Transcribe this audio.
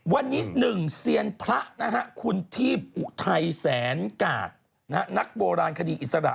วันนี้๑เซียนพระนะฮะคุณทีพอุทัยแสนกาดนักโบราณคดีอิสระ